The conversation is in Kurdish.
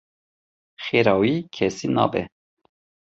Xêra wî li kesî nabe.